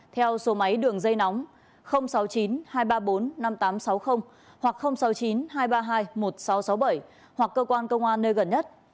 theo số máy đường dây nóng sáu mươi chín hai trăm ba mươi bốn năm nghìn tám trăm sáu mươi hoặc sáu mươi chín hai trăm ba mươi hai một nghìn sáu trăm sáu mươi bảy hoặc cơ quan công an nơi gần nhất